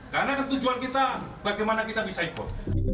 karena tujuan kita bagaimana kita bisa ikut